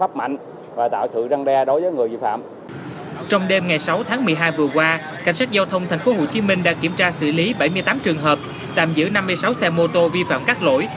cảnh sát giao thông tp hcm đã kiểm tra xử lý bảy mươi tám trường hợp tạm giữ năm mươi sáu xe mô tô vi phạm các lỗi